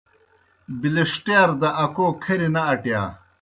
بِلِݜٹِیار دہ اکوْ کھری نہ اٹِیا۔